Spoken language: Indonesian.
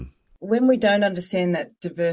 ketika kita tidak memahami keberagaman itu